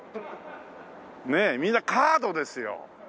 みんなカードですよ